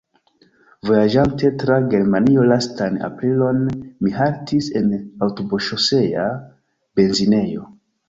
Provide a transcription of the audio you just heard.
Vojaĝante tra Germanio lastan aprilon, mi haltis en aŭtoŝosea benzinejo.